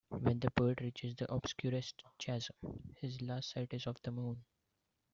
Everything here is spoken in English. When the Poet reaches the "obscurest chasm," his last sight is of the moon.